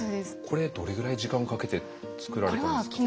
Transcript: これどれぐらい時間かけて作られたんですか？